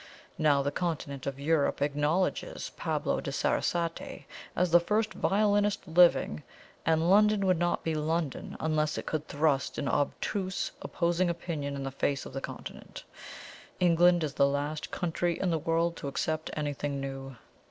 Now the Continent of Europe acknowledges Pablo de Sarasate as the first violinist living, and London would not be London unless it could thrust an obtuse opposing opinion in the face of the Continent. England is the last country in the world to accept anything new.